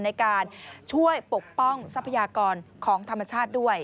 ในการช่วยปกป้องทรัพยากรของธรรมชาติด้วย